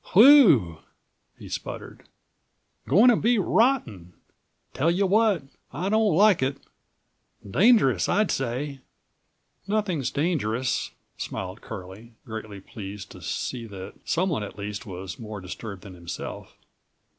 "Whew!" he sputtered. "Going to be rotten. Tell you what, I don't like it. Dangerous, I'd say!"162 "Nothing's dangerous," smiled Curlie, greatly pleased to see that someone at least was more disturbed than himself.